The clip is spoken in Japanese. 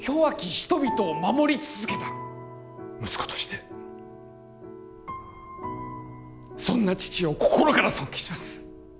人々を守り続けた息子としてそんな父を心から尊敬します